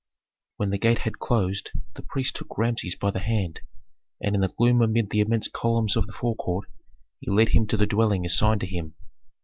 When the gate had closed, the priest took Rameses by the hand, and in the gloom amid the immense columns of the forecourt he led him to the dwelling assigned to him.